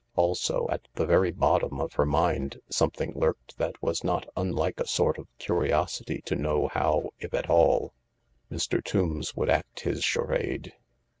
Also, at the very bottom of her mind something lurked that was not unlike a sort of curiosity to know how, if at all, Mr. Tombs would act his charade.